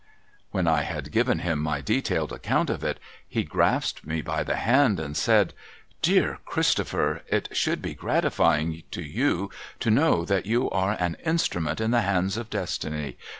When I had given him my detailed account of it, he grasped me by the hand again, and said :' Dear Christopher, it should be gratifying to you to know that you are an instrument in the hands of Destiny.